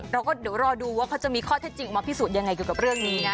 เราก็เดี๋ยวรอดูว่าเขาจะมีข้อเท็จจริงมาพิสูจน์ยังไงเกี่ยวกับเรื่องนี้นะ